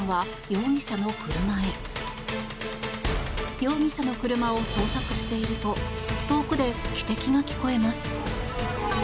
容疑者の車を捜索していると遠くで汽笛が聞こえます。